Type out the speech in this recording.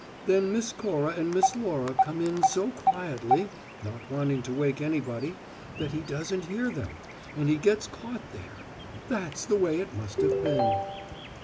Then Miss Cora and Miss Laura come in so quietly not wanting to wake anybody that he doesn't hear them, and he gets caught there. That's the way it must have been."